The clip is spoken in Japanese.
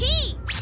Ａ！